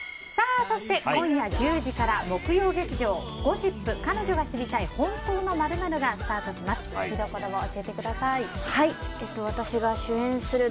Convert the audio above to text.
そして、今夜１０時から木曜劇場「ゴシップ＃彼女が知りたい本当の○○」がスタートします。